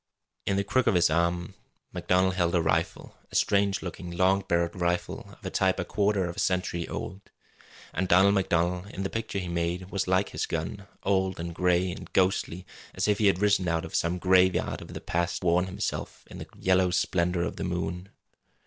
In the crook of his arm MacDonald held a rifle, a strange looking, long barrelled rifle of a type a quarter of a century old. And Donald MacDonald, in the picture he made, was like his gun, old and gray and ghostly, as if he had risen out of some graveyard of the past to warm himself in the yellow splendour of the moon.